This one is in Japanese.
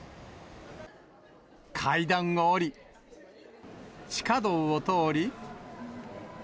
階段を下り、地下道を通り。